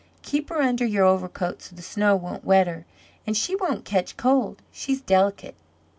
"Keep her under your overcoat, so the snow won't wet her, and she won't catch cold, she's delicate."